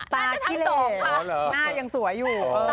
ขี้เหลหน้ายังสวยอยู่